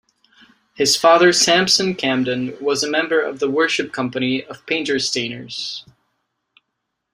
His father Sampson Camden was a member of The Worshipful Company of Painter-Stainers.